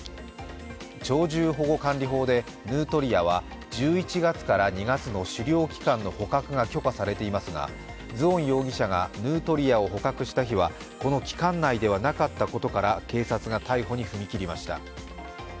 鳥獣保護管理法で、ヌートリアは１１月から２月の狩猟期間の捕獲が許可されていますがズオン容疑者がヌートリアを捕獲した日はこの期間内ではなかったことから警察が逮捕に踏み切りました。